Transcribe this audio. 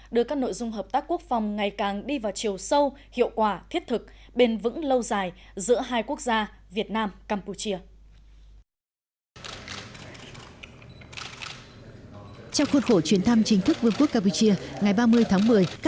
đưa các nội dung hợp tác quốc phòng ngày càng đi vào chiều sâu hiệu quả thiết thực bền vững lâu dài giữa hai quốc gia việt nam campuchia